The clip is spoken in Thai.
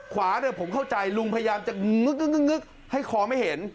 ขวาเนี่ยผมเข้าใจลุงพยายามจะงึกให้คอไม่เห็น